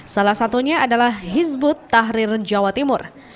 salah satunya adalah hizbut tahrir jawa timur